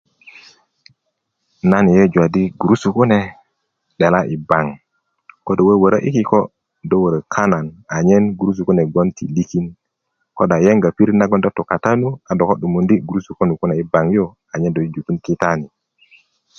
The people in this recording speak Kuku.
nan yeyeju adi gurusu kune 'dela i bank ko do wöwórö i kiko do wörö kanan anyen gurusu kune bgwon ti likin ko do a yenga pirit na do tu kata nu a do ko 'dumundi gurusu konuk kune i bank anyen do jujukin kitani